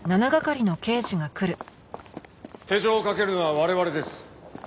手錠を掛けるのは我々です。